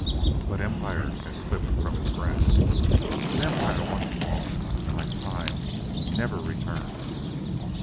But empire has slipped from his grasp, and empire once lost, like time, never returns.